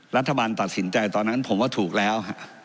รัฐบาลตัดสินใจตอนนั้นผมว่าถูกแล้ว